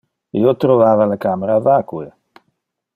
Io trovava le camera vacue.